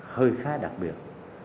hơi khá đặc biệt